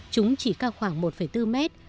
chúng chỉ cao khoảng một bốn mét